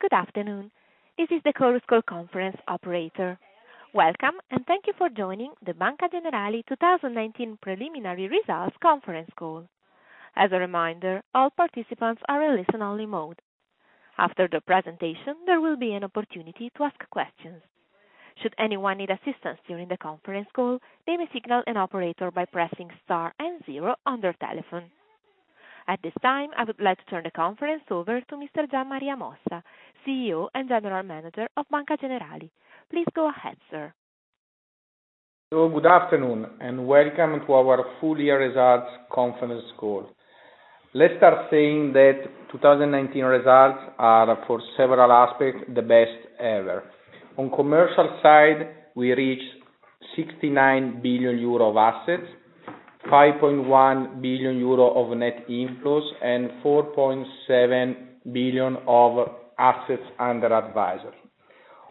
Good afternoon. This is the Chorus Call conference operator. Welcome, thank you for joining the Banca Generali 2019 preliminary results conference call. As a reminder, all participants are in listen only mode. After the presentation, there will be an opportunity to ask questions. Should anyone need assistance during the conference call, they may signal an operator by pressing star and zero on their telephone. At this time, I would like to turn the conference over to Mr. Gian Maria Mossa, CEO and General Manager of Banca Generali. Please go ahead, sir. Good afternoon, and welcome to our full year results conference call. Let's start saying that 2019 results are, for several aspects, the best ever. On commercial side, we reached 69 billion euro of assets, 5.1 billion euro of net inflows, and 4.7 billion of assets under advisory.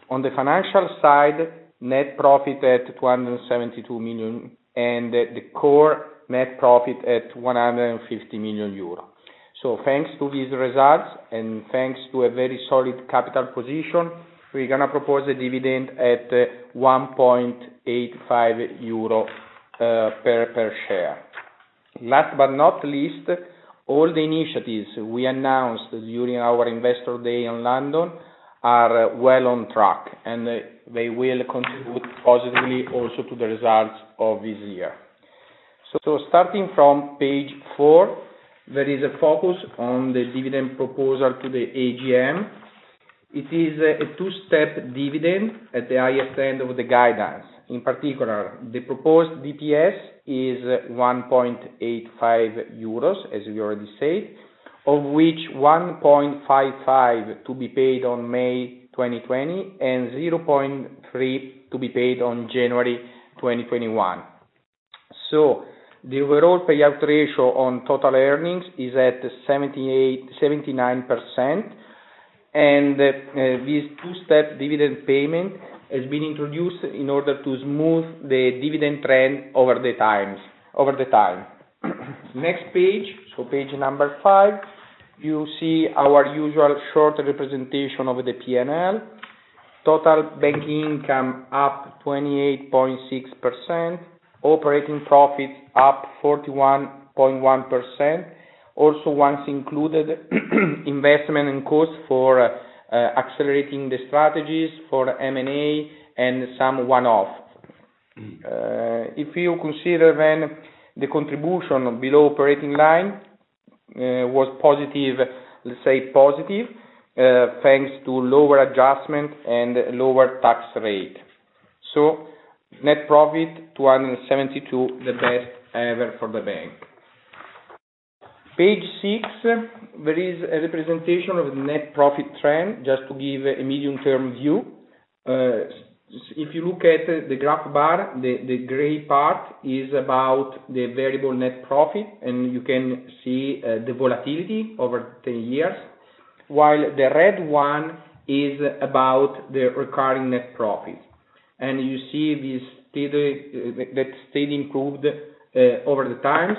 On the financial side, net profit at 272 million, and the core net profit at 150 million euro. Thanks to these results, and thanks to a very solid capital position, we're going to propose a dividend at 1.85 euro per share. Last but not least, all the initiatives we announced during our Investor Day in London are well on track, and they will contribute positively also to the results of this year. Starting from page four, there is a focus on the dividend proposal to the AGM. It is a two-step dividend at the highest end of the guidance. In particular, the proposed DPS is 1.85 euros, as we already said, of which 1.55 to be paid on May 2020, and 0.3 to be paid on January 2021. The overall payout ratio on total earnings is at 79%, and this two-step dividend payment has been introduced in order to smooth the dividend trend over the time. Next page number five, you see our usual short representation of the P&L. Total banking income up 28.6%, operating profit up 41.1%, once included, investment and cost for accelerating the strategies for M&A and some one-off. If you consider the contribution below operating line was positive, let's say positive, thanks to lower adjustment and lower tax rate. Net profit 272, the best ever for the bank. Page six, there is a representation of net profit trend, just to give a medium-term view. If you look at the graph bar, the gray part is about the variable net profit, and you can see the volatility over 10 years. The red one is about the recurring net profit. You see that stayed improved over the times,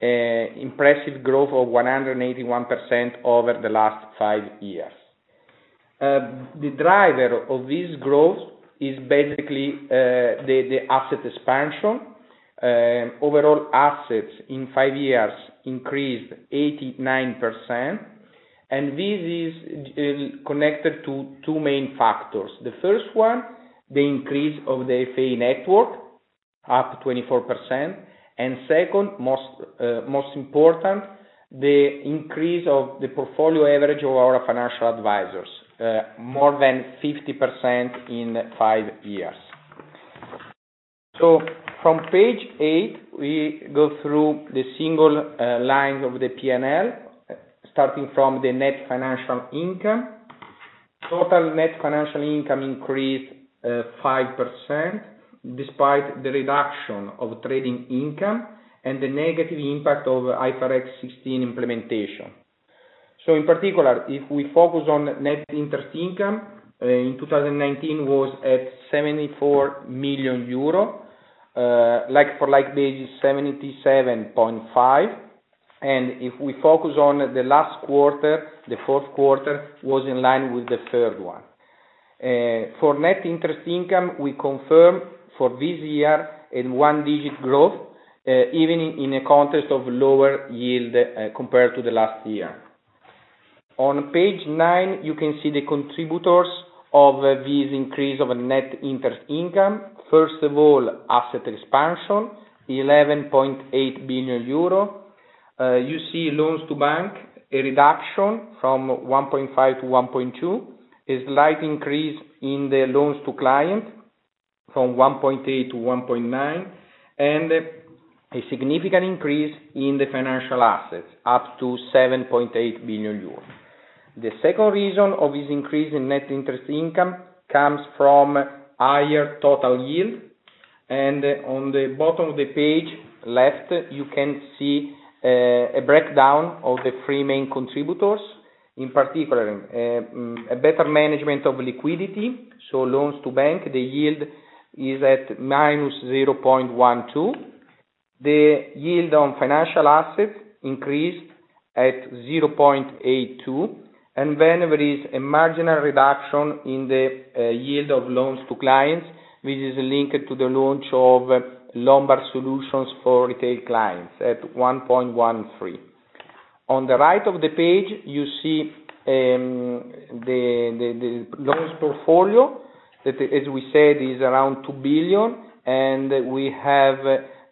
with impressive growth of 181% over the last five years. The driver of this growth is basically the asset expansion. Overall assets in five years increased 89%, and this is connected to two main factors. The first one, the increase of the FA network, up 24%. Second, most important, the increase of the portfolio average of our financial advisors, more than 50% in five years. From page eight, we go through the single line of the P&L, starting from the net financial income. Total net financial income increased 5%, despite the reduction of trading income and the negative impact of IFRS 16 implementation. In particular, if we focus on net interest income, in 2019 was at 74 million euro, like for like basis 77.5 million. If we focus on the last quarter, the fourth quarter was in line with the third one. For net interest income, we confirm for this year in one-digit growth, even in a context of lower yield compared to the last year. On page nine, you can see the contributors of this increase of net interest income. First of all, asset expansion, 11.8 billion euro. You see loans to bank, a reduction from 1.5 billion to 1.2 billion. A slight increase in the loans to client from 1.8 billion to 1.9 billion, and a significant increase in the financial assets up to 7.8 billion euro. The second reason of this increase in net interest income comes from higher total yield. On the bottom of the page, left, you can see a breakdown of the three main contributors. In particular, a better management of liquidity, so loans to bank, the yield is at -0.12%. The yield on financial assets increased at 0.82%. There is a marginal reduction in the yield of loans to clients, which is linked to the launch of Lombard solutions for retail clients at 1.13%. On the right of the page, you see the loans portfolio that, as we said, is around 2 billion. We have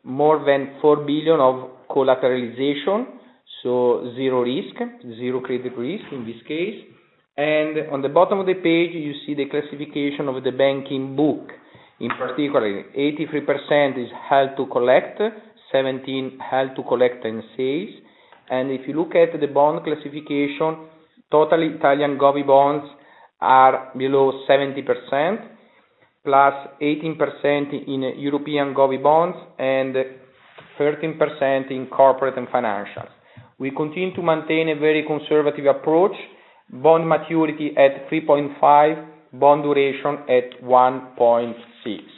more than 4 billion of collateralization. Zero risk, zero credit risk in this case. On the bottom of the page, you see the classification of the banking book. In particular, 83% is held to collect, 17% held to collect and sales. If you look at the bond classification, total Italian gov bonds are below 70%, +18% in European gov bonds and 13% in corporate and financials. We continue to maintain a very conservative approach. Bond maturity at 3.5 years, bond duration at 1.6 years.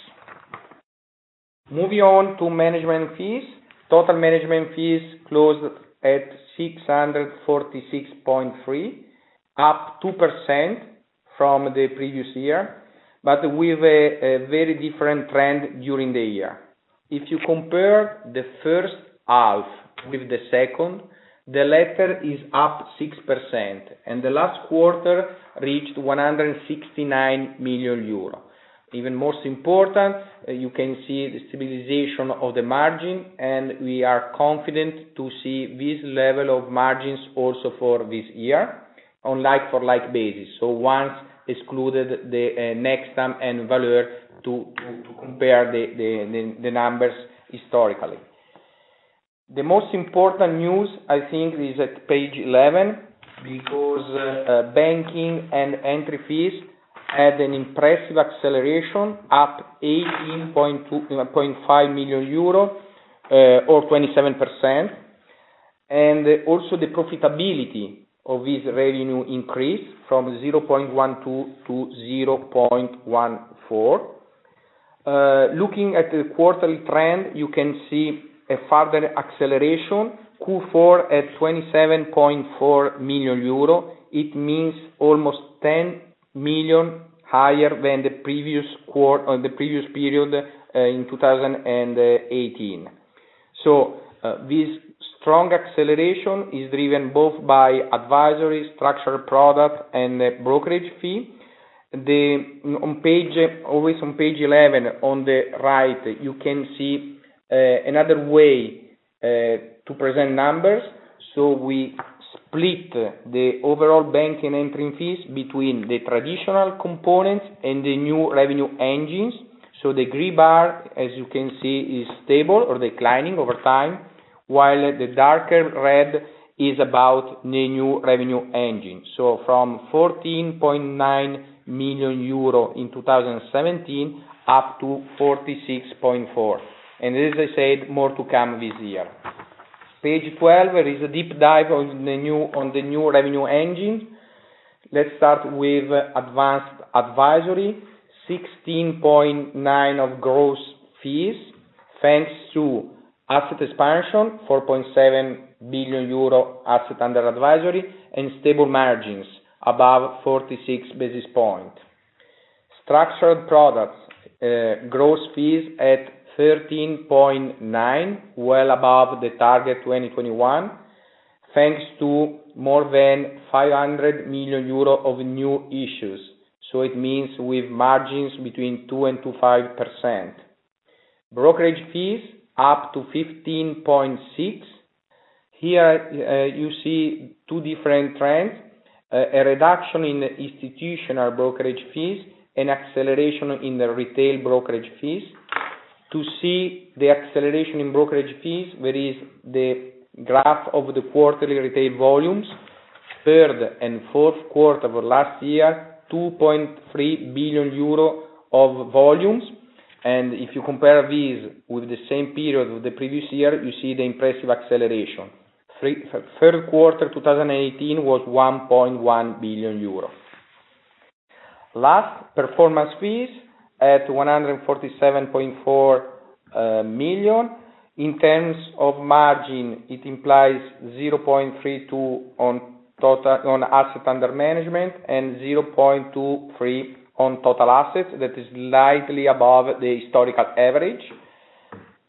Moving on to management fees. Total management fees closed at 646.3 million, up 2% from the previous year, but with a very different trend during the year. If you compare the first half with the second, the latter is up 6% and the last quarter reached 169 million euro. Even most important, you can see the stabilization of the margin, and we are confident to see this level of margins also for this year on like for like basis, once excluded Nextam and Valeur to compare the numbers historically. The most important news, I think, is at page 11 because banking and entry fees had an impressive acceleration up EUR 18.5 million or 27%. The profitability of this revenue increased from 0.12% to 0.14%. Looking at the quarterly trend, you can see a further acceleration. Q4 at 27.4 million euro, it means almost 10 million higher than the previous period in 2018. This strong acceleration is driven both by advisory, structured product, and brokerage fee. Always on page 11 on the right, you can see another way to present numbers. We split the overall bank and entry fees between the traditional components and the new revenue engines. The green bar, as you can see, is stable or declining over time, while the darker red is about the new revenue engine. From 14.9 million euro in 2017 up to 46.4 million. As I said, more to come this year. Page 12 is a deep dive on the new revenue engine. Let's start with advanced advisory, 16.9% of gross fees. Thanks to asset expansion, 4.7 billion euro asset under advisory, and stable margins above 46 basis points. Structured products, gross fees at 13.9%, well above the target 2021, thanks to more than 500 million euro of new issues. It means with margins between 2% and 5%. Brokerage fees up to 15.6%. Here, you see two different trends, a reduction in institutional brokerage fees, and acceleration in the retail brokerage fees. To see the acceleration in brokerage fees, there is the graph of the quarterly retail volumes, third and fourth quarter of last year, 2.3 billion euro of volumes. If you compare these with the same period of the previous year, you see the impressive acceleration. Third quarter 2018 was 1.1 billion euro. Performance fees at 147.4 million. In terms of margin, it implies 0.32% on asset under management and 0.23% on total assets that is lightly above the historical average.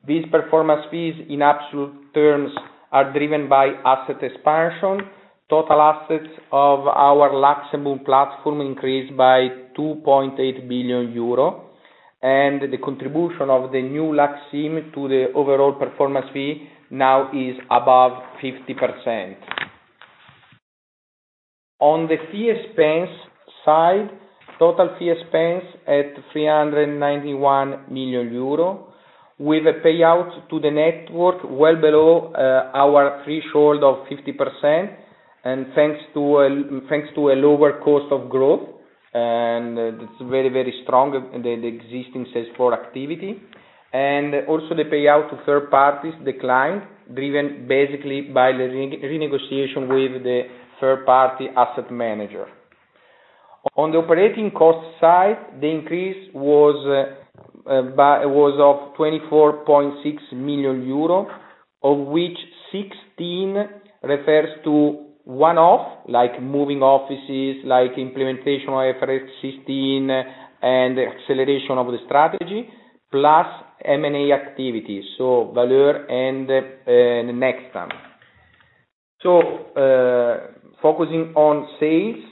These performance fees, in absolute terms, are driven by asset expansion. Total assets of our Luxembourg platform increased by 2.8 billion euro. The contribution of the new LUX IM to the overall performance fee now is above 50%. On the fee expense side, total fee expense at 391 million euro with a payout to the network well below our threshold of 50% and thanks to a lower cost of growth. It's very strong, the existing sales force activity. Also the payout to third parties declined, driven basically by the renegotiation with the third-party asset manager. On the operating cost side, the increase was of 24.6 million euro, of which 16 million refers to one-off, like moving offices, like implementation of IFRS 16 and acceleration of the strategy, plus M&A activities. Valeur and Nextam. Focusing on sales.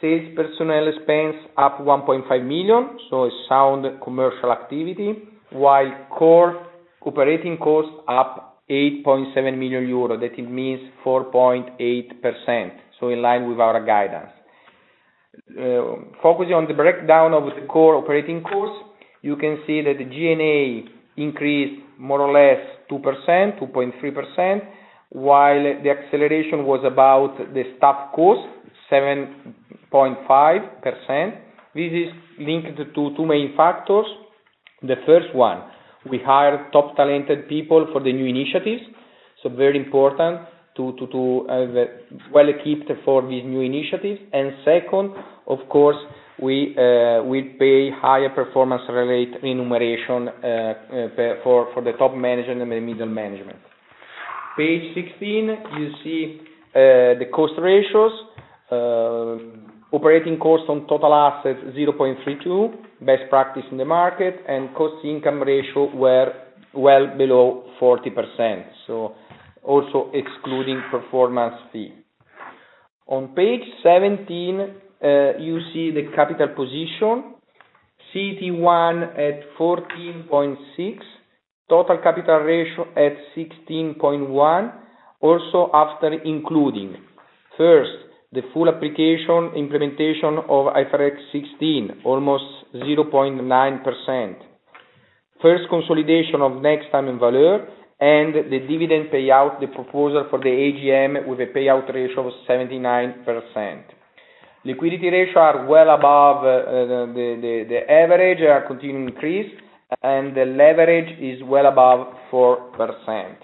Sales personnel expense up 1.5 million, so a sound commercial activity, while core operating costs up 8.7 million euro. That it means 4.8%, so in line with our guidance. Focusing on the breakdown of the core operating costs, you can see that the G&A increased more or less 2%, 2.3%, while the acceleration was about the staff cost, 7.5%. This is linked to two main factors. The first one, we hire top talented people for the new initiatives, so very important to well equipped for these new initiatives. Second, of course we pay higher performance related remuneration for the top management and the middle management. Page 16, you see the cost ratios. Operating costs on total assets 0.32%, best practice in the market, and cost income ratio were well below 40%, also excluding performance fee. On page 17, you see the capital position, CET1 at 14.6%, total capital ratio at 16.1%, also after including, first, the full application implementation of IFRS 16, almost 0.9%. First consolidation of Nextam and Valeur, and the dividend payout, the proposal for the AGM with a payout ratio of 79%. Liquidity ratio are well above the average, continue to increase, and the leverage is well above 4%.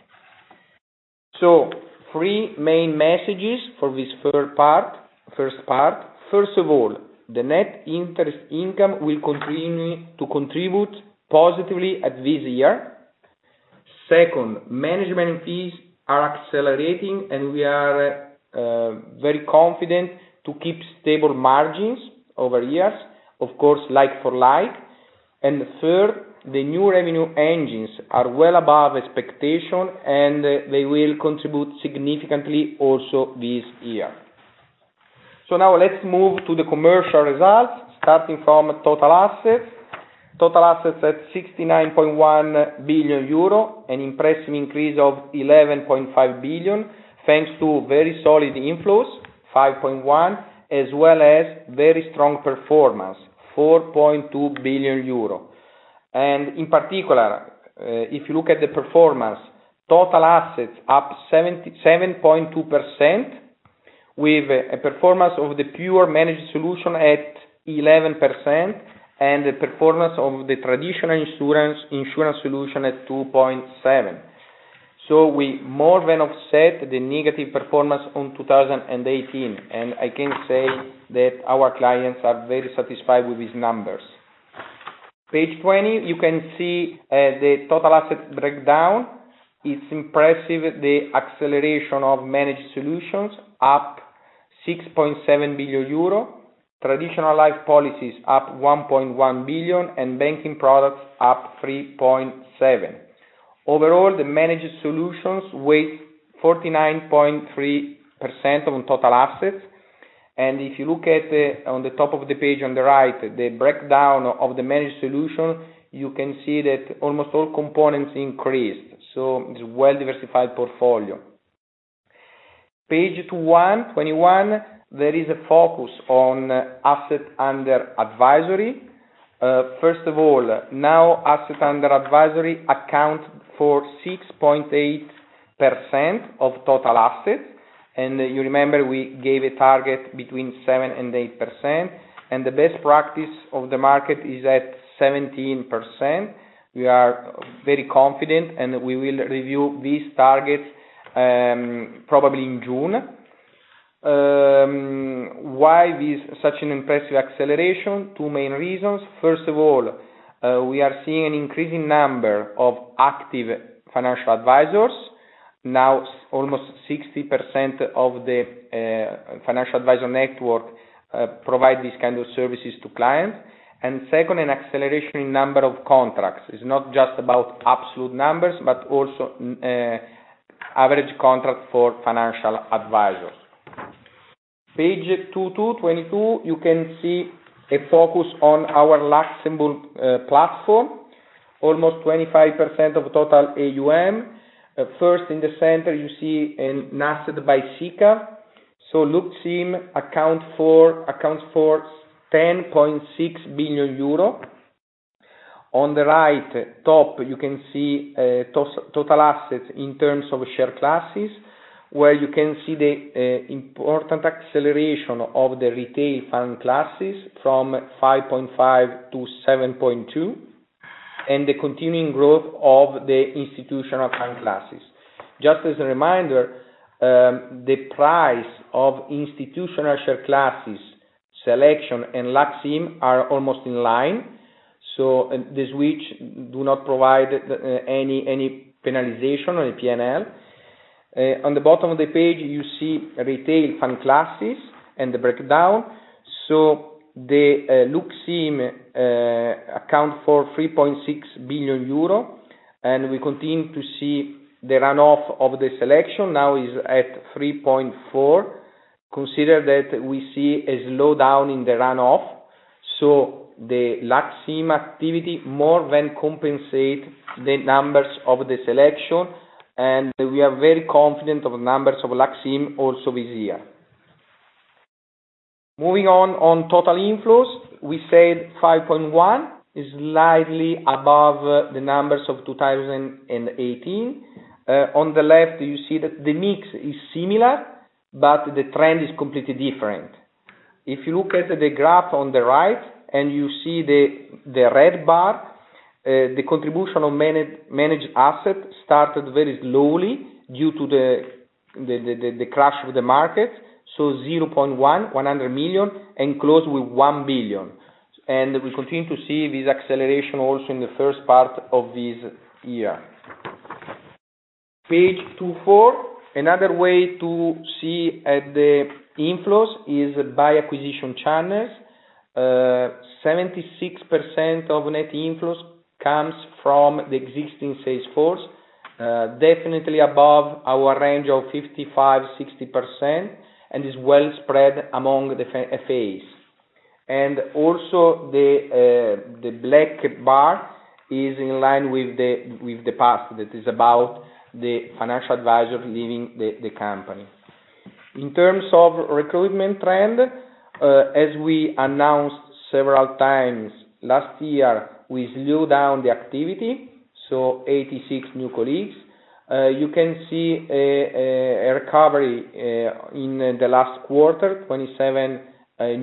Three main messages for this first part. First of all, the net interest income will continue to contribute positively at this year. Second, management fees are accelerating, and we are very confident to keep stable margins over years, of course like for like. Third, the new revenue engines are well above expectation, and they will contribute significantly also this year. Now let's move to the commercial results, starting from total assets. Total assets at 69.1 billion euro, an impressive increase of 11.5 billion, thanks to very solid inflows, 5.1 billion, as well as very strong performance, 4.2 billion euro. In particular, if you look at the performance, total assets up 77.2% with a performance of the pure managed solution at 11% and the performance of the traditional insurance solution at 2.7%. We more than offset the negative performance in 2018, and I can say that our clients are very satisfied with these numbers. Page 20, you can see the total asset breakdown. It's impressive the acceleration of managed solutions up 6.7 billion euro, traditional life policies up 1.1 billion, and banking products up 3.7 billion. Overall, the managed solutions weigh 49.3% on total assets. If you look on the top of the page on the right, the breakdown of the managed solution, you can see that almost all components increased. It's a well-diversified portfolio. Page 21, there is a focus on asset under advisory. First of all, now asset under advisory account for 6.8% of total assets. You remember we gave a target between 7% and 8%, and the best practice of the market is at 17%. We are very confident, and we will review these targets probably in June. Why this such an impressive acceleration? Two main reasons. First of all, we are seeing an increasing number of active financial advisors. Now almost 60% of the financial advisor network provide these kind of services to clients. Second, an acceleration in number of contracts. It's not just about absolute numbers, but also average contract for financial advisors. Page 22, you can see a focus on our Luxembourg platform. Almost 25% of total AUM. First in the center, you see an asset by SICAV, LUX IM accounts for 10.6 billion euro. On the right top, you can see total assets in terms of share classes, where you can see the important acceleration of the retail fund classes from 5.5 billion to 7.2 billion. The continuing growth of the institutional fund classes. Just as a reminder, the price of institutional share classes, selection and LUX IM are almost in line, the switch do not provide any penalization on the P&L. On the bottom of the page, you see retail fund classes and the breakdown. The LUX IM account for 3.6 billion euro, and we continue to see the runoff of the BG Selection, now is at 3.4 billion. Consider that we see a slowdown in the runoff. The LUX IM activity more than compensates the numbers of the Selection, and we are very confident of numbers of LUX IM also this year. Moving on total inflows, we said 5.1 billion is slightly above the numbers of 2018. On the left, you see that the mix is similar, but the trend is completely different. If you look at the graph on the right and you see the red bar, the contribution of managed assets started very slowly due to the crash of the market, so 0.1 billion, 100 million, and closed with 1 billion. We continue to see this acceleration also in the first part of this year. Page 24, another way to see the inflows is by acquisition channels. 76% of net inflows comes from the existing sales force, definitely above our range of 55%-60% and is well-spread among the FAs. Also the black bar is in line with the past. That is about the financial advisor leaving the company. In terms of recruitment trend, as we announced several times last year, we slow down the activity, 86 new colleagues. You can see a recovery in the last quarter, 27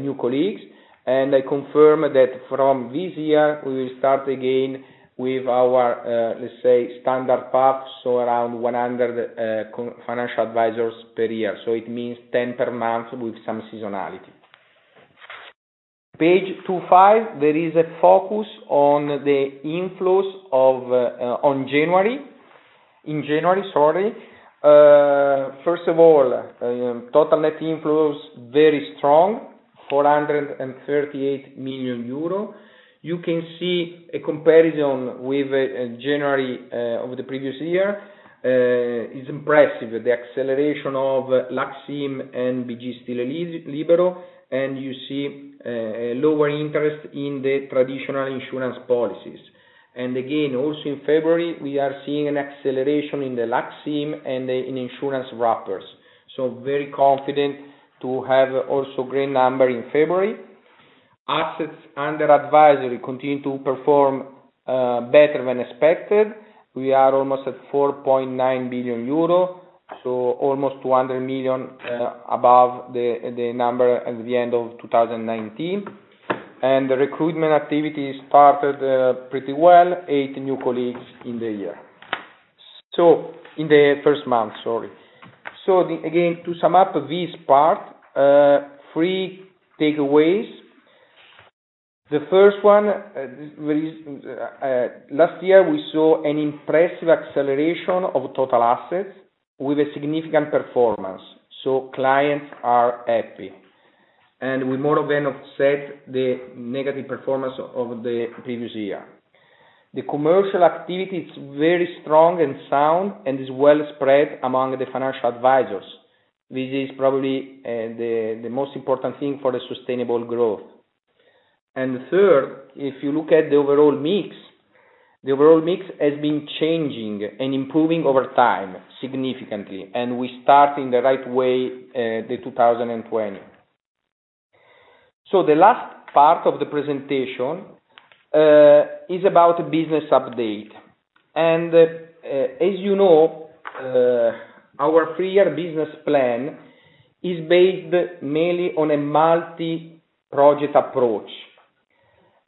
new colleagues. I confirm that from this year, we will start again with our, let's say, standard path, around 100 financial advisors per year. It means 10 per month with some seasonality. Page 25, there is a focus on the inflows in January. First of all, total net inflows, very strong, 438 million euro. You can see a comparison with January of the previous year. It's impressive, the acceleration of LUX IM and BG Stile Libero, and you see a lower interest in the traditional insurance policies. Again, also in February, we are seeing an acceleration in the LUX IM and in insurance wrappers. Very confident to have also great number in February. Assets under advisory continue to perform better than expected. We are almost at 4.9 billion euro, almost 200 million above the number at the end of 2019. The recruitment activity started pretty well, eight new colleagues in the year. In the first month, sorry. Again, to sum up this part, three takeaways. The first one, last year we saw an impressive acceleration of total assets with a significant performance, so clients are happy. We more than offset the negative performance of the previous year. The commercial activity is very strong and sound and is well spread among the Financial Advisors, which is probably the most important thing for the sustainable growth. Third, if you look at the overall mix, the overall mix has been changing and improving over time significantly, and we start in the right way the 2020. The last part of the presentation is about business update. As you know, our three-year business plan is based mainly on a multi-project approach.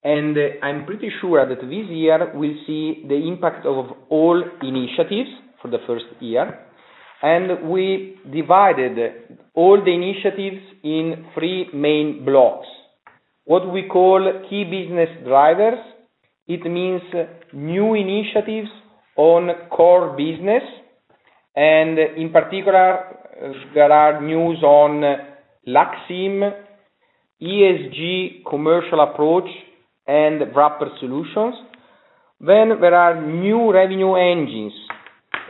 I'm pretty sure that this year we'll see the impact of all initiatives for the first year. We divided all the initiatives in three main blocks, what we call key business drivers. It means new initiatives on core business, and in particular, there are news on LUX IM, ESG commercial approach, and wrapper solutions. There are new revenue engines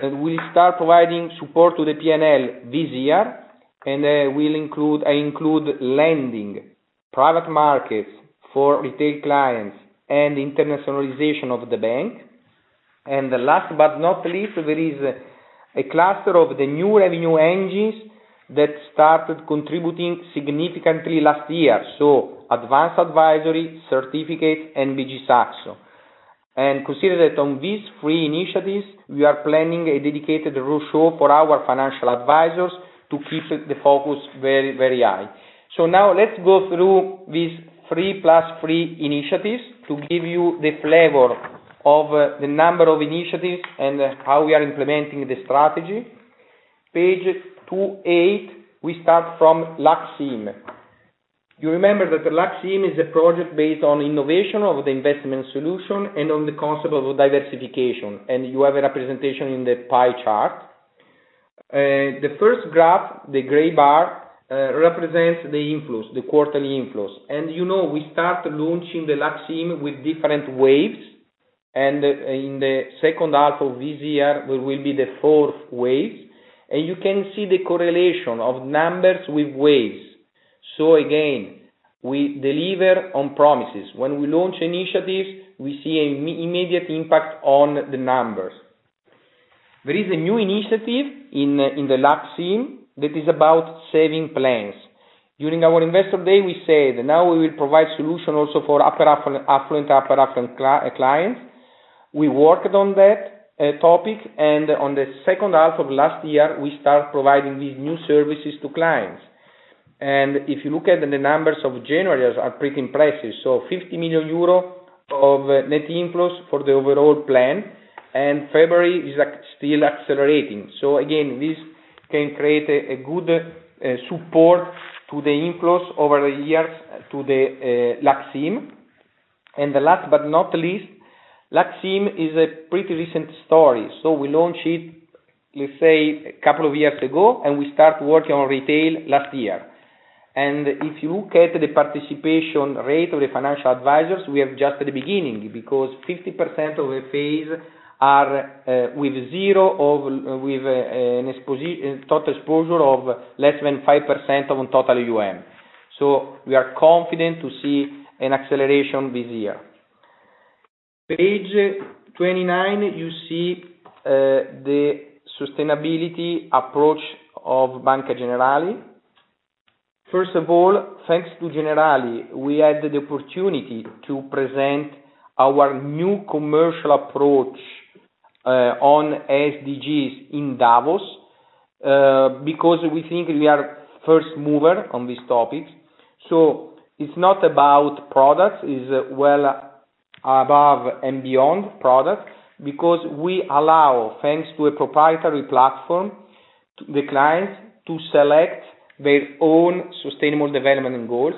that will start providing support to the P&L this year, and I include lending, private markets for retail clients, and internationalization of the bank. The last but not least, there is a cluster of the new revenue engines that started contributing significantly last year. Advanced advisory, certificate, and BG SAXO. Consider that on these three initiatives, we are planning a dedicated roadshow for our financial advisors to keep the focus very high. Now let's go through these three plus three initiatives to give you the flavor of the number of initiatives and how we are implementing the strategy. Page 28, we start from LUX IM. You remember that the LUX IM is a project based on innovation of the investment solution and on the concept of diversification, and you have a representation in the pie chart. The first graph, the gray bar, represents the inflows, the quarterly inflows. You know we start launching the LUX IM with different waves. In the second half of this year, there will be the fourth wave. You can see the correlation of numbers with waves. Again, we deliver on promises. When we launch initiatives, we see an immediate impact on the numbers. There is a new initiative in the LUX IM that is about saving plans. During our investor day, we said, "Now we will provide solution also for affluent, upper-affluent client." We worked on that topic, on the second half of last year, we start providing these new services to clients. If you look at the numbers of January are pretty impressive. 50 million euro of net inflows for the overall plan, February is still accelerating. Again, this can create a good support to the inflows over the years to the LUX IM. The last but not least, LUX IM is a pretty recent story. We launched it, let's say, a couple of years ago, and we start working on retail last year. If you look at the participation rate of the financial advisors, we are just at the beginning because 50% of the fees are with zero, with a total exposure of less than 5% of total AUM. We are confident to see an acceleration this year. Page 29, you see the sustainability approach of Banca Generali. First of all, thanks to Generali, we had the opportunity to present our new commercial approach, on SDGs in Davos, because we think we are first mover on this topic. It's not about products, it's well above and beyond product because we allow, thanks to a proprietary platform, the clients to select their own Sustainable Development Goals.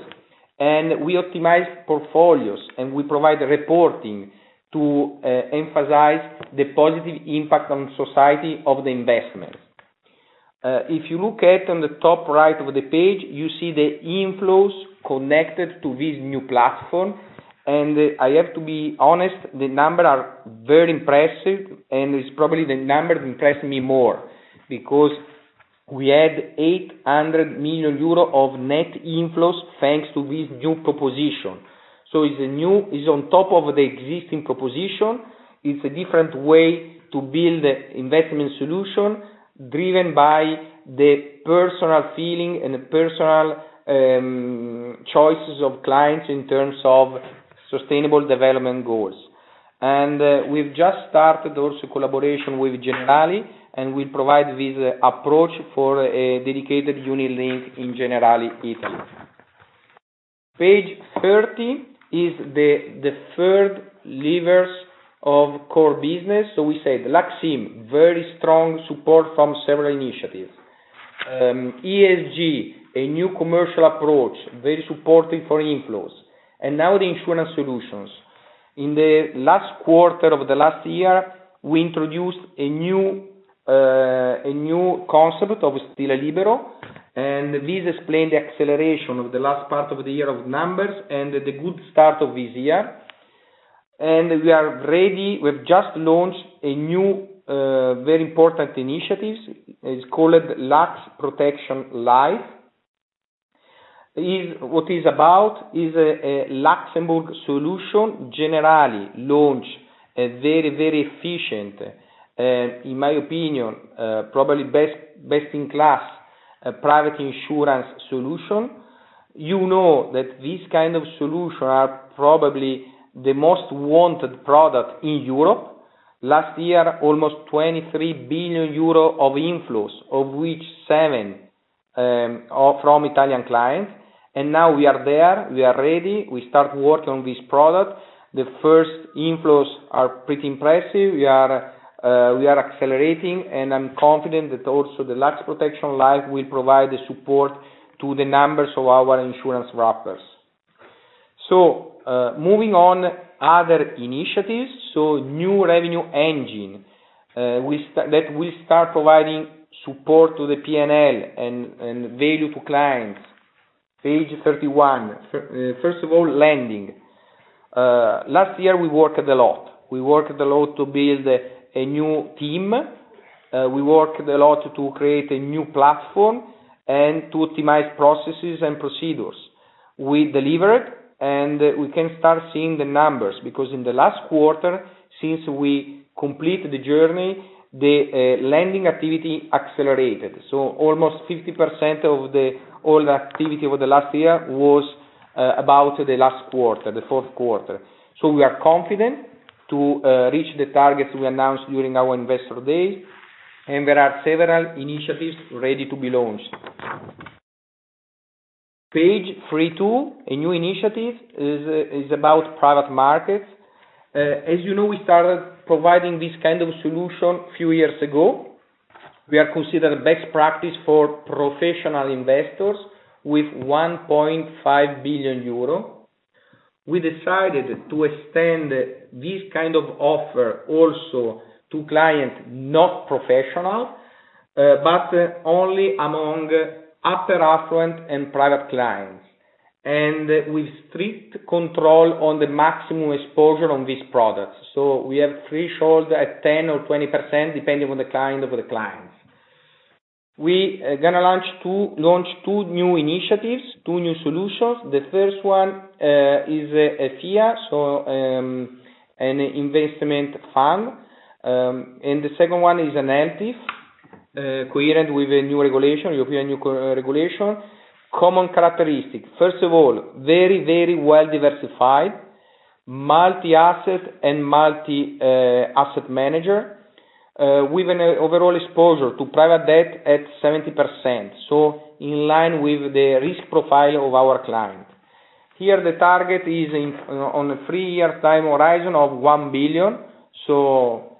We optimize portfolios and we provide reporting to emphasize the positive impact on society of the investment. If you look at on the top right of the page, you see the inflows connected to this new platform. I have to be honest, the number are very impressive, and it's probably the number that impressed me more because we had 800 million euro of net inflows thanks to this new proposition. It's on top of the existing proposition. It's a different way to build the investment solution driven by the personal feeling and personal choices of clients in terms of Sustainable Development Goals. We've just started also collaboration with Generali, and we provide this approach for a dedicated unit link in Generali Italy. Page 30 is the third levers of core business. We said LUX IM, very strong support from several initiatives. ESG, a new commercial approach, very supportive for inflows. Now the insurance solutions. In the last quarter of the last year, we introduced a new concept of Stile Libero, and this explained the acceleration of the last part of the year of numbers and the good start of this year. We have just launched a new, very important initiatives. It's called LUX Protection Life. What is about is a Luxembourg solution. Generali launched a very, very efficient, in my opinion, probably best in class private insurance solution. You know that this kind of solution are probably the most wanted product in Europe. Last year, almost 23 billion euros of inflows, of which seven are from Italian clients. Now we are there. We are ready. We start work on this product. The first inflows are pretty impressive. We are accelerating, and I'm confident that also the LUX Protection Life will provide the support to the numbers of our insurance wrappers. Moving on other initiatives, so new revenue engine, that will start providing support to the P&L and value to clients. Page 31. First of all, lending. Last year, we worked a lot. We worked a lot to build a new team. We worked a lot to create a new platform and to optimize processes and procedures. We delivered, and we can start seeing the numbers, because in the last quarter, since we completed the journey, the lending activity accelerated. Almost 50% of the all activity over the last year was about the last quarter, the fourth quarter. There are several initiatives ready to be launched. Page 32. A new initiative is about private markets. As you know, we started providing this kind of solution a few years ago. We are considered best practice for professional investors with 1.5 billion euro. We decided to extend this kind of offer also to clients, not professional, but only among upper affluent and private clients, and with strict control on the maximum exposure on these products. We have thresholds at 10% or 20%, depending on the kind of the clients. We are going to launch two new initiatives, two new solutions. The first one is [FIA] so an investment fund. The second one is an ELTIF, coherent with the new regulation, European new regulation. Common characteristic. First of all, very well diversified. Multi-asset and multi-asset manager, with an overall exposure to private debt at 70%, so in line with the risk profile of our client. Here, the target is on a three-year time horizon of 1 billion, so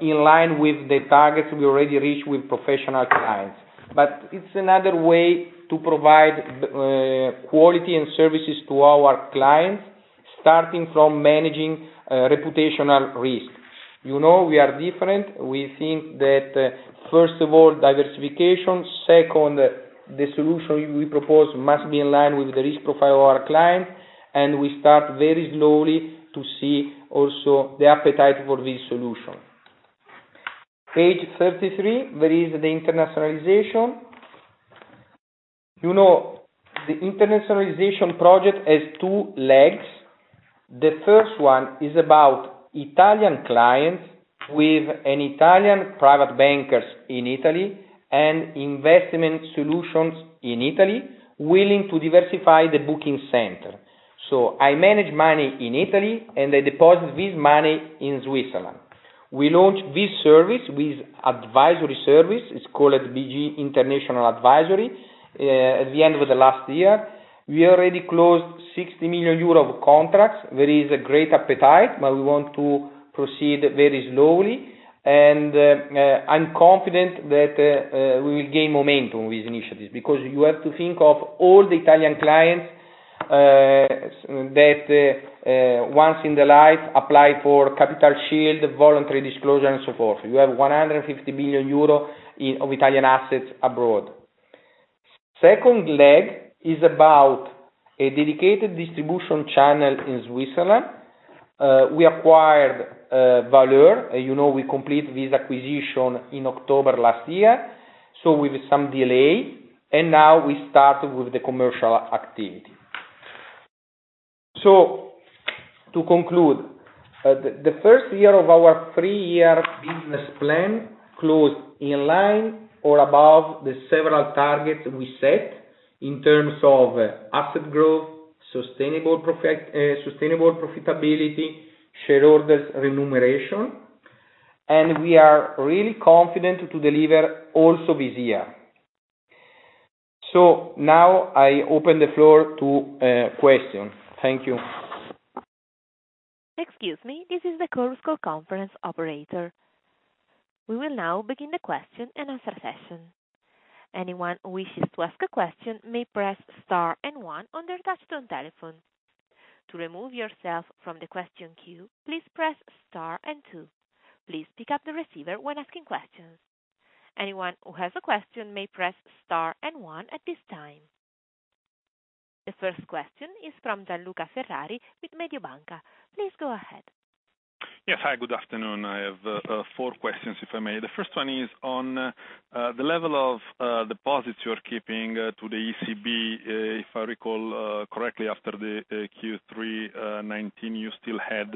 in line with the targets we already reached with professional clients. It's another way to provide quality and services to our clients, starting from managing reputational risk. You know we are different. We think that, first of all, diversification, second, the solution we propose must be in line with the risk profile of our client, and we start very slowly to see also the appetite for this solution. Page 33, there is the internationalization. The internationalization project has two legs. The first one is about Italian clients with an Italian private banker in Italy and investment solutions in Italy, willing to diversify the booking center. I manage money in Italy, and I deposit this money in Switzerland. We launched this service with advisory service. It's called BG International Advisory. At the end of the last year, we already closed 60 million euro of contracts. There is a great appetite, but we want to proceed very slowly. I'm confident that we will gain momentum with initiatives, because you have to think of all the Italian clients that once in their life apply for capital shield, voluntary disclosure, and so forth. You have 150 billion euro of Italian assets abroad. Second leg is about a dedicated distribution channel in Switzerland. We acquired Valeur. You know we completed this acquisition in October last year, so with some delay. Now we started with the commercial activity. To conclude, the first year of our three-year business plan closed in line or above the several targets we set in terms of asset growth, sustainable profitability, shareholders remuneration. We are really confident to deliver also this year. Now I open the floor to questions. Thank you. Excuse me, this is the Chorus Call conference operator. We will now begin the question and answer session. Anyone who wishes to ask a question may press star and one on their touch-tone telephone. To remove yourself from the question queue, please press star and two. Please pick up the receiver when asking questions. Anyone who has a question may press star and one at this time. The first question is from Gianluca Ferrari with Mediobanca. Please go ahead. Yes. Hi, good afternoon. I have four questions, if I may. The first one is on the level of deposits you are keeping to the ECB. If I recall correctly, after the Q3 2019, you still had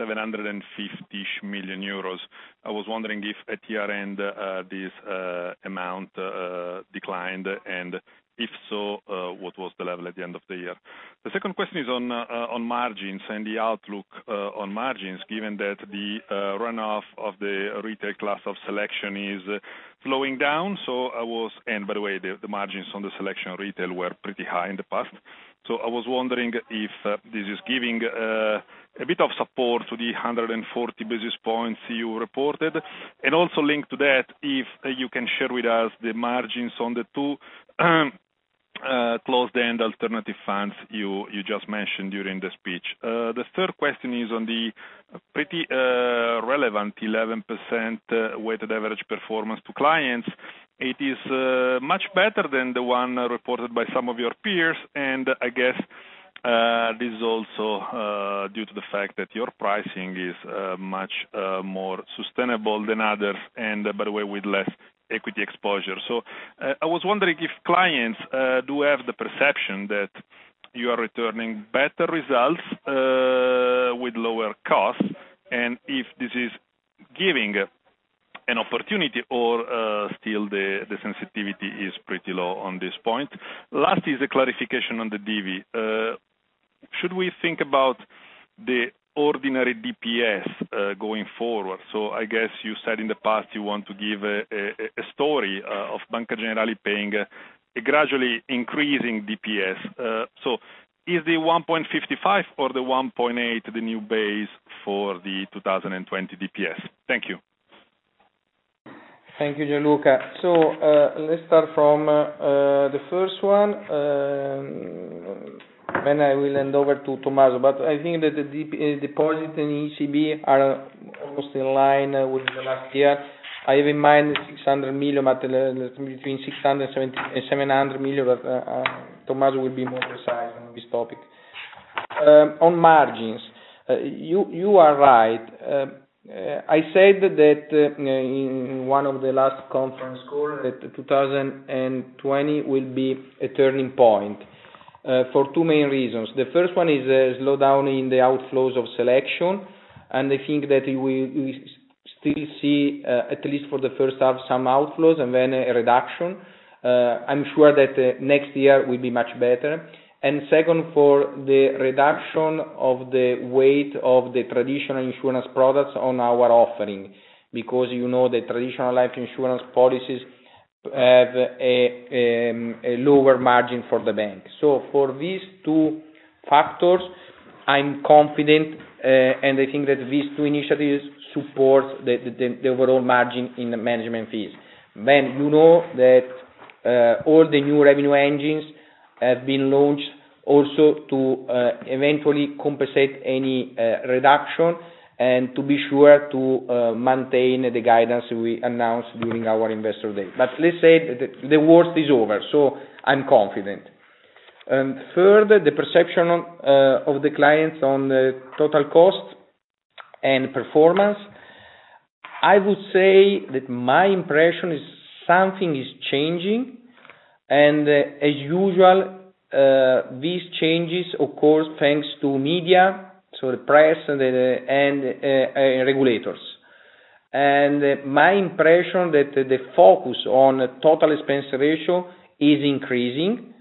750-ish million euros. I was wondering if at year-end, this amount declined, and if so, what was the level at the end of the year? The second question is on margins and the outlook on margins, given that the runoff of the retail class of selection is slowing down. By the way, the margins on the selection of retail were pretty high in the past. I was wondering if this is giving a bit of support to the 140 basis points you reported. Also linked to that, if you can share with us the margins on the two closed-end alternative funds you just mentioned during the speech. The third question is on the pretty relevant 11% weighted average performance to clients. It is much better than the one reported by some of your peers. I guess this is also due to the fact that your pricing is much more sustainable than others, by the way, with less equity exposure. I was wondering if clients do have the perception that you are returning better results with lower costs, if this is giving an opportunity or still the sensitivity is pretty low on this point. Last is a clarification on the DV. Should we think about the ordinary DPS going forward? I guess you said in the past you want to give a story of Banca Generali paying gradually increasing DPS. Is the 1.55 or the 1.8 the new base for the 2020 DPS? Thank you. Thank you, Gianluca. Let's start from the first one, then I will hand over to Tommaso. I think that the deposit in ECB are almost in line with the last year. I have in mind between 600 million and 700 million, Tommaso will be more precise on this topic. On margins, you are right. I said that in one of the last conference call that 2020 will be a turning point, for two main reasons. The first one is a slowdown in the outflows of Selection, I think that we still see, at least for the first half, some outflows and then a reduction. I'm sure that next year will be much better. Second, for the reduction of the weight of the traditional insurance products on our offering, because you know the traditional life insurance policies have a lower margin for the bank. For these two factors, I'm confident, and I think that these two initiatives support the overall margin in the management fees. You know that all the new revenue engines have been launched also to eventually compensate any reduction and to be sure to maintain the guidance we announced during our Investor Day. Let's say the worst is over, so I'm confident. Further, the perception of the clients on the total cost and performance. I would say that my impression is something is changing, and as usual, these changes occur thanks to media, so the press and regulators. My impression that the focus on total expense ratio is increasing.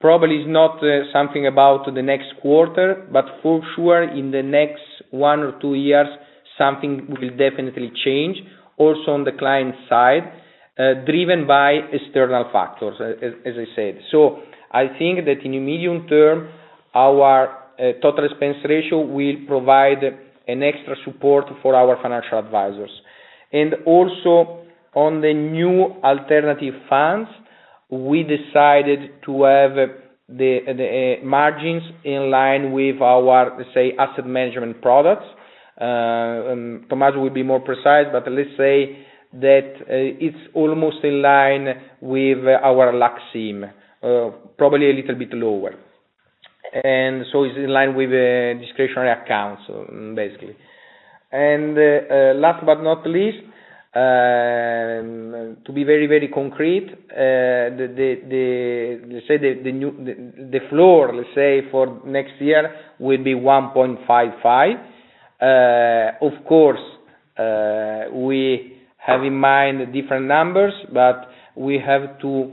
Probably is not something about the next quarter, but for sure in the next one or two years, something will definitely change also on the client side, driven by external factors, as I said. I think that in the medium term, our total expense ratio will provide an extra support for our financial advisors. Also on the new alternative funds, we decided to have the margins in line with our, say, asset management products. Tommaso will be more precise, but let's say that it's almost in line with our LUX IM, probably a little bit lower. It's in line with the discretionary accounts, basically. Last but not least, to be very concrete, the floor, let's say, for next year will be 1.55. Of course, we have in mind different numbers, but we have to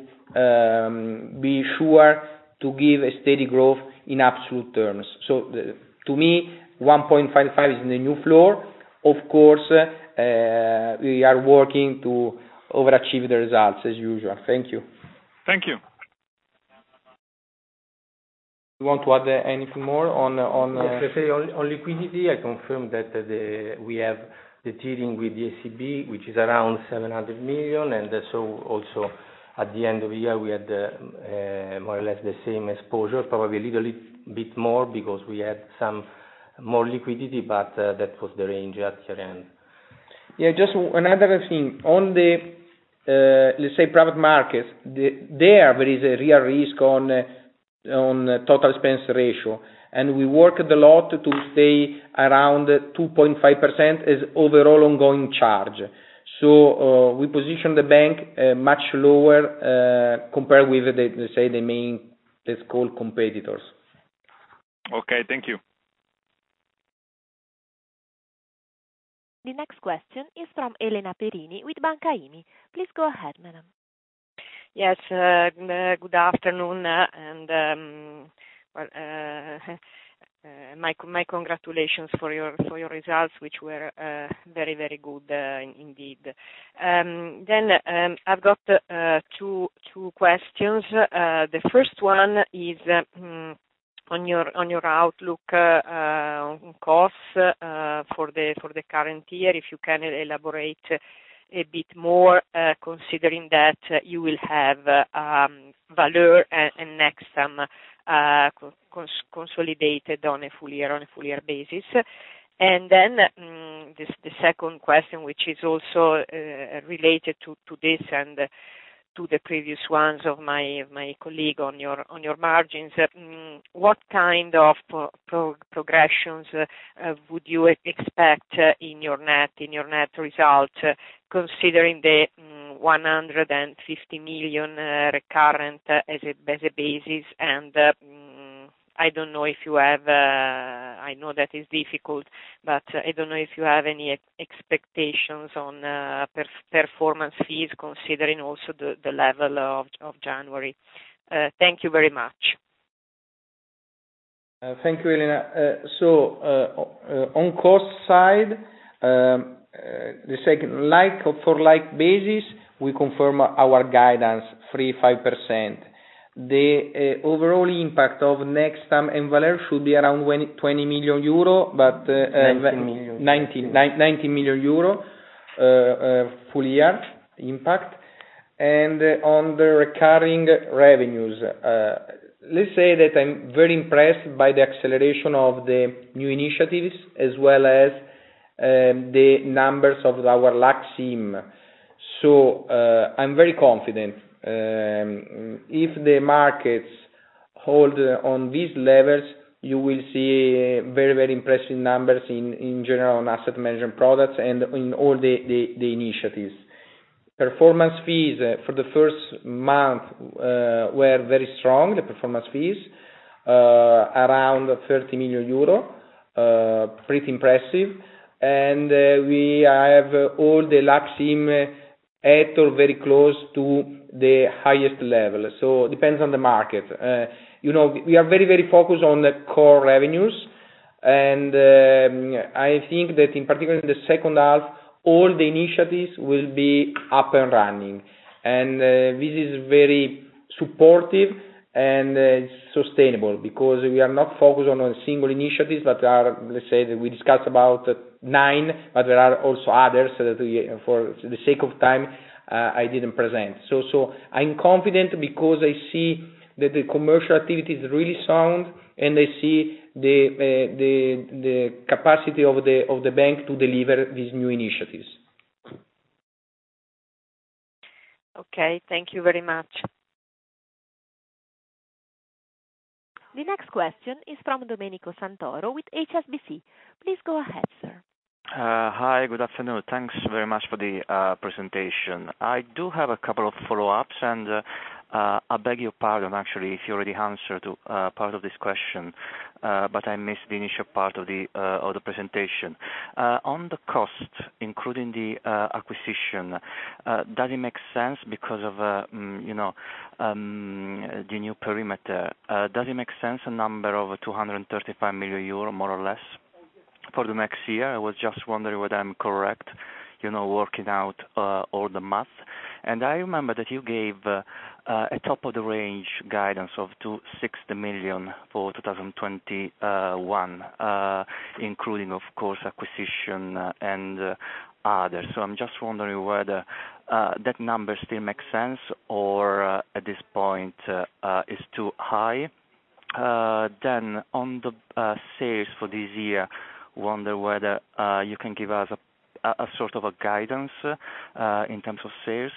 be sure to give a steady growth in absolute terms. To me, 1.55 is the new floor. Of course, we are working to overachieve the results as usual. Thank you. Thank you. You want to add anything more on. Yes. On liquidity, I confirm that we have the dealing with the ECB, which is around 700 million. Also at the end of the year, we had more or less the same exposure, probably a little bit more because we had some more liquidity, but that was the range at year-end. Yeah, just another thing. On the private market, there is a real risk on total expense ratio, and we worked a lot to stay around 2.5% as overall ongoing charge. We position the bank much lower, compared with the main core competitors. Okay, thank you. The next question is from Elena Perini with Banca IMI. Please go ahead, madam. Yes, good afternoon. My congratulations for your results, which were very good indeed. I've got two questions. The first one is on your outlook costs for the current year. If you can elaborate a bit more, considering that you will have Valeur and Nextam consolidated on a full year basis. The second question, which is also related to this and to the previous ones of my colleague on your margins. What kind of progressions would you expect in your net results, considering the 150 million recurrent as a basis? I know that is difficult, but I don't know if you have any expectations on performance fees, considering also the level of January. Thank you very much. Thank you, Elena. On cost side, for like basis, we confirm our guidance 3%, 5%. The overall impact of Nextam and Valeur should be around EUR 90 million full year impact. On the recurring revenues, let's say that I'm very impressed by the acceleration of the new initiatives as well as the numbers of our LUX IM. I'm very confident. If the markets hold on these levels, you will see very impressive numbers in general on asset management products and in all the initiatives. Performance fees for the first month were very strong, around 30 million euro. Pretty impressive. We have all the LUX IM at or very close to the highest level. Depends on the market. We are very focused on the core revenues. I think that in particular in the second half, all the initiatives will be up and running. This is very supportive and sustainable because we are not focused on a single initiative. Let's say that we discussed about nine, but there are also others that for the sake of time, I didn't present. I'm confident because I see that the commercial activity is really sound, and I see the capacity of the bank to deliver these new initiatives. Okay. Thank you very much. The next question is from Domenico Santoro with HSBC. Please go ahead, sir. Hi. Good afternoon. Thanks very much for the presentation. I do have a couple of follow-ups. I beg your pardon, actually, if you already answered part of this question, but I missed the initial part of the presentation. On the cost, including the acquisition, the new perimeter, does it make sense a number of 235 million euro, more or less, for the next year? I was just wondering whether I'm correct, working out all the math. I remember that you gave a top of the range guidance of 260 million for 2021, including, of course, acquisition and others. I'm just wondering whether that number still makes sense or at this point, is too high. On the sales for this year, I wonder whether you can give us a sort of a guidance in terms of sales.